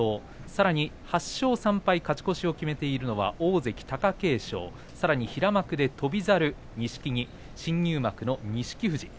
さらに８勝３敗、勝ち越しを決めているのは大関貴景勝さらに平幕で翔猿、錦木新入幕の錦富士。